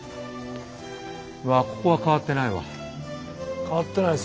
うわここは変わってないわ。